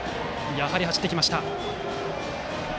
やはり走ってきました。